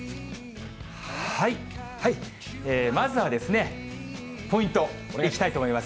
まずは、ポイントいきたいと思います。